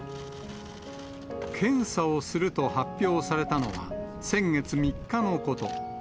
検査をすると発表されたのは、先月３日のこと。